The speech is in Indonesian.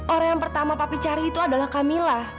orang yang pertama papi cari itu adalah camilla